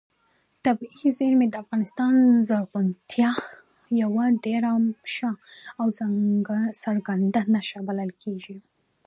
طبیعي زیرمې د افغانستان د زرغونتیا یوه ډېره ښه او څرګنده نښه بلل کېږي.